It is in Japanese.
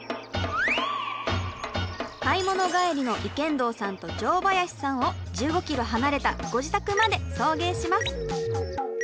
買い物帰りの池筒さんと城林さんを１５キロ離れたご自宅まで送迎します。